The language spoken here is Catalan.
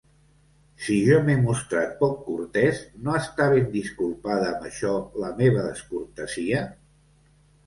Si jo m'he mostrat poc cortès, no està ben disculpada amb això la meva descortesia?